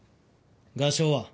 画商は？